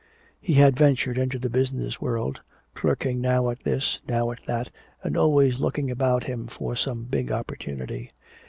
He had ventured into the business world, clerking now at this, now at that, and always looking about him for some big opportunity.